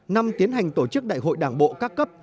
năm tiến hành tổ chức đại hội đảng bộ các cấp